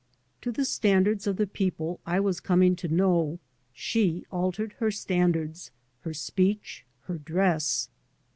To the standards of the people I was com ing to know she altered her standards, her speech, her dress.